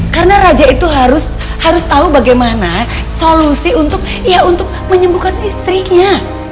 karena raja itu harus harus tau bagaimana solusi untuk ya untuk menyembuhkan istrinya